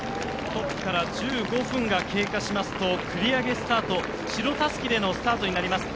トップから１５分が経過しますと繰り上げスタート白たすきでのスタートになります。